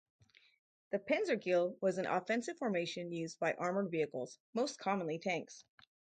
The "panzerkeil" was an offensive formation used by armoured vehicles, most commonly tanks.